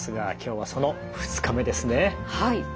はい。